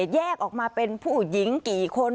แยกออกมาเป็นผู้หญิงกี่คน